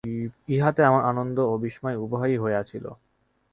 ইহাতে আমার আনন্দ ও বিস্ময় উভয়ই হইয়াছিল।